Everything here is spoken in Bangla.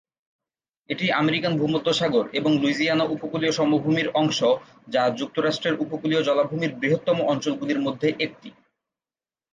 এটি আমেরিকান ভূমধ্যসাগর এবং লুইসিয়ানা উপকূলীয় সমভূমির অংশ, যা যুক্তরাষ্ট্রের উপকূলীয় জলাভূমির বৃহত্তম অঞ্চলগুলির মধ্যে একটি।